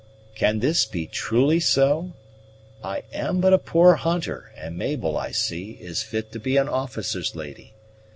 "Can this be truly so? I am but a poor hunter and Mabel, I see, is fit to be an officer's lady.